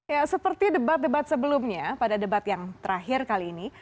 ya seperti debat debat sebelumnya pada debat yang terakhir kali ini